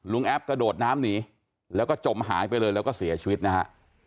แอปกระโดดน้ำหนีแล้วก็จมหายไปเลยแล้วก็เสียชีวิตนะฮะ